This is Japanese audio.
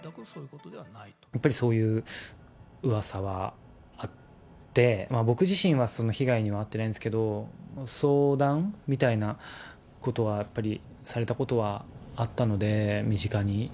やっぱりそういううわさはあって、僕自身はその被害には遭ってないんですけど、相談みたいなことはやっぱりされたことはあったので、身近に。